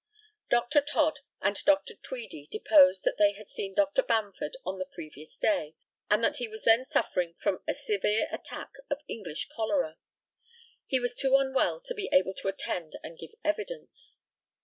Dr. TODD and Dr. TWEEDIE deposed that they had seen Dr. Bamford on the previous day, and that he was then suffering from a severe attack of English cholera. He was too unwell to be able to attend and give evidence.